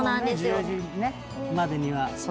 １０時までには。